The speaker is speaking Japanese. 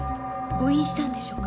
誤飲したんでしょうか？